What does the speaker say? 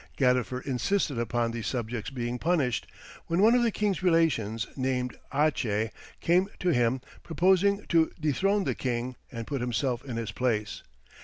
Gadifer insisted upon these subjects being punished, when one of the king's relations named Ache, came to him proposing to dethrone the king, and put himself in his place.